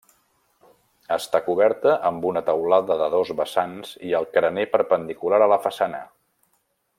Està coberta amb una teulada de dos vessants i el carener perpendicular a la façana.